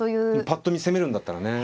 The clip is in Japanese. ぱっと見攻めるんだったらね。